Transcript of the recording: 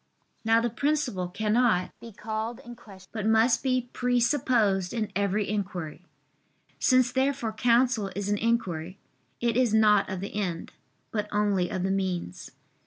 Now the principle cannot be called in question, but must be presupposed in every inquiry. Since therefore counsel is an inquiry, it is not of the end, but only of the means.